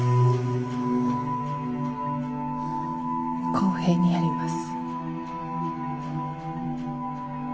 公平にやります。